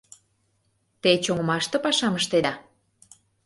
— Те чоҥымаште пашам ыштеда?